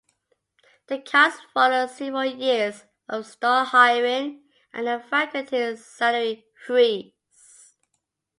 The cuts followed several years of a "stalled hiring" and a faculty salary freeze.